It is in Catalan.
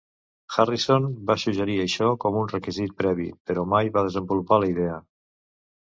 Harrison va suggerir això com un requisit previ, però mai va desenvolupar la idea.